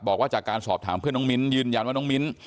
บอกว่าจากการสอบถามเพื่อนน้องมิ้นยืนยันว่าน้องมิ้น